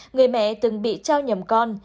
người mẹ từng bị trao nhầm con